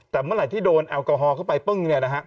แต่เมื่อไหร่ที่โดนแอลกอฮอลเข้าไปปึ้งเนี่ยนะฮะ